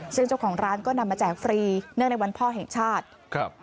ซึ่งเจ้าของร้านก็นำมาแจกฟรีเนื่องในวันพ่อแห่งชาติครับ